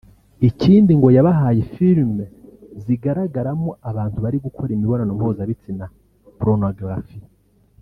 Ikindi ngo yabahaye film zigaragaramo abantu bari gukora imibonano mpuzabitsina (pornography)